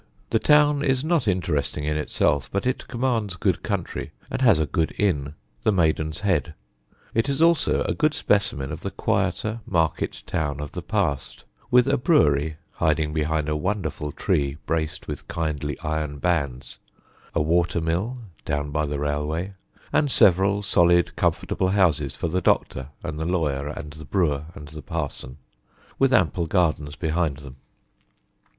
The town is not interesting in itself, but it commands good country, and has a good inn, the Maiden's Head. It is also a good specimen of the quieter market town of the past with a brewery (hiding behind a wonderful tree braced with kindly iron bands), a water mill (down by the railway), and several solid comfortable houses for the doctor and the lawyer and the brewer and the parson, with ample gardens behind them.